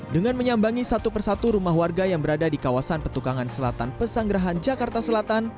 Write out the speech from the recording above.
dengan menyambangi satu persatu rumah warga yang berada di kawasan petukangan selatan pesanggerahan jakarta selatan